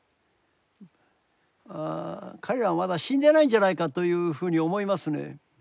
彼らはまだ死んでないんじゃないかというふうに思いますね。